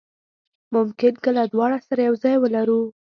ممکن کله دواړه سره یو ځای ولرو.